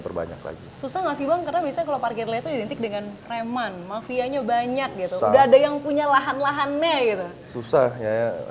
perbanyak lagi karena bisa kalau parkir itu identik dengan reman mafia nya banyak yang punya lahan lahannya